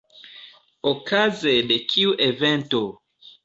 Okaze de kiu evento?